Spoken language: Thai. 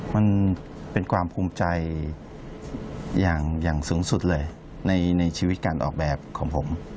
มันเป็นความภูมิใจอย่างสูงสุดเลยในชีวิตการออกแบบของผม